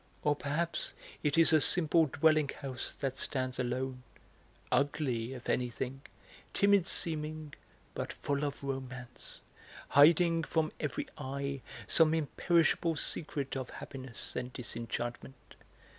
Or perhaps it is a simple dwelling house that stands alone, ugly, if anything, timid seeming but full of romance, hiding from every eye some imperishable secret of happiness and disenchantment.